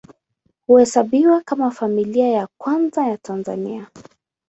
Huhesabiwa kama Familia ya Kwanza ya Tanzania.